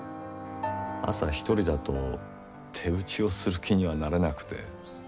朝一人だと手打ちをする気にはなれなくて。